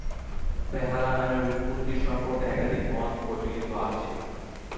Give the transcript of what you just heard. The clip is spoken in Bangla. বেহালা নামের উৎপত্তি সম্পর্কে একাধিক মত প্রচলিত আছে।